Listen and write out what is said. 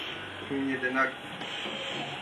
Имне денак!